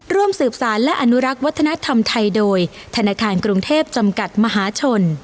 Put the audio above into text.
ร่วมสืบสารและอนุรักษ์วัฒนธรรมไทยโดยธนาคารกรุงเทพจำกัดมหาชน